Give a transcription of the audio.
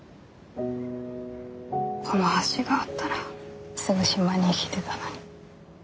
この橋があったらすぐ島に行けてたのに。